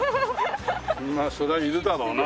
まあそりゃいるだろうな。